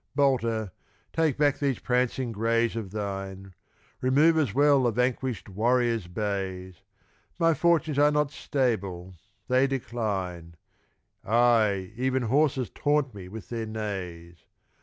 Bolter, take back these prancing greys of thine, Remove as well the vanquished warrior's bays, My fortunes are not stable, they decline; Aye, even horses taunt me with their neighs.